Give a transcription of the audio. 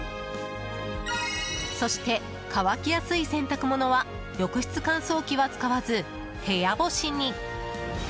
そして、乾きやすい洗濯物は浴室乾燥機は使わず部屋干しに。